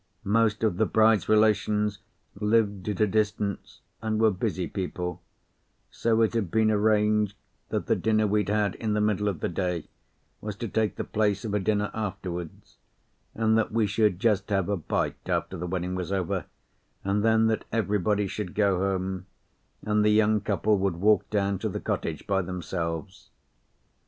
Most of the bride's relations lived at a distance, and were busy people, so it had been arranged that the dinner we'd had in the middle of the day was to take the place of a dinner afterwards, and that we should just have a bite after the wedding was over, and then that everybody should go home, and the young couple would walk down to the cottage by themselves.